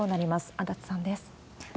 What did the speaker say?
足立さんです。